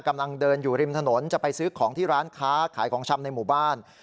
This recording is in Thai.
กำลังเดินอยู่ริมถนนจะไปซื้อของที่ร้านค้าขายของชำในหมู่บ้าน